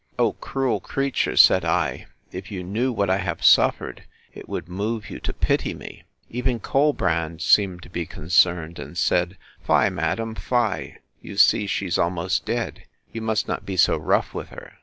O cruel creature! said I, if you knew what I have suffered, it would move you to pity me! Even Colbrand seemed to be concerned, and said, Fie, madam, fie! you see she is almost dead! You must not be so rough with her.